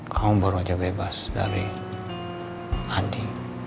kamu baru aja bebas dari adi